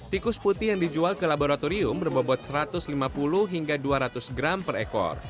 tikus putih yang dijual ke laboratorium berbobot satu ratus lima puluh hingga dua ratus gram per ekor